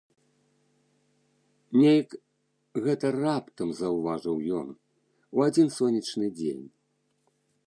Нейк гэта раптам заўважыў ён, у адзін сонечны дзень.